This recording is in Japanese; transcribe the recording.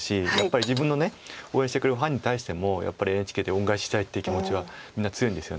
自分の応援してくれるファンに対してもやっぱりＮＨＫで恩返ししたいっていう気持ちはみんな強いんですよね。